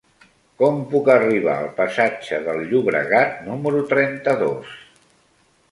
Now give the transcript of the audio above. Com puc arribar al passatge del Llobregat número trenta-dos?